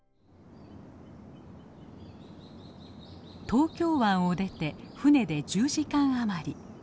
東京湾を出て船で１０時間余り。